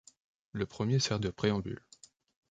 Le premier sert de préambule.